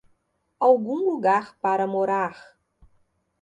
Algum lugar para morar!